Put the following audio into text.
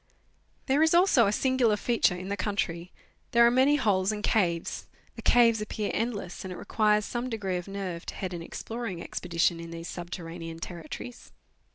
There is also a singular feature in the country. There are many holes and caves ; the caves appear endless, and it requires some degree of nerve to head an exploring expedition in these subterranean territories.